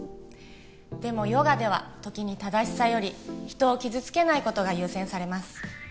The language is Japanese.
でもヨガでは時に正しさより人を傷つけないことが優先されます